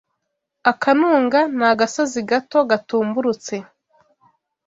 Akanunga ni agasozi gato, gatumburutse